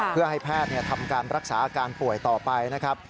เพื่อให้แพทย์ทำการรักษาอาการป่วยต่อไปนะครับ